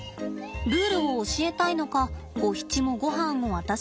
ルールを教えたいのかゴヒチもごはんを渡しません。